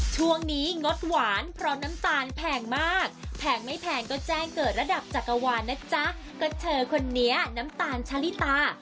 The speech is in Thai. ช่วงนี้งดหวานเพราะน้ำตาลแพงมากแพงไม่แพงก็แจ้งเกิดระดับจักรวาลนะจ๊ะก็เธอคนนี้น้ำตาลชะลิตา